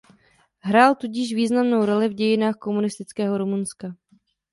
Hrál tudíž významnou roli v dějinách komunistického Rumunska.